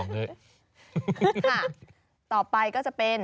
ต่อไปก็จะเป็น